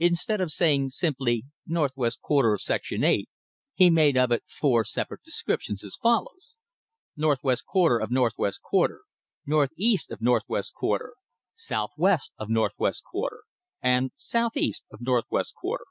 Instead of saying simply, "Northwest quarter of section 8," he made of it four separate descriptions, as follows: Northwest quarter of northwest quarter; northeast of northwest quarter; southwest of northwest quarter; and southeast of northwest quarter.